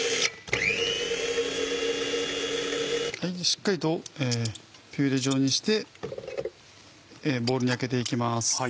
しっかりとピューレ状にしてボウルにあけて行きます。